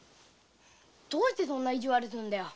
どうしてそんな意地悪するんだよ。